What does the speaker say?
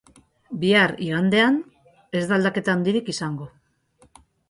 Bihar, igandean, ez da aldaketa handirik izango.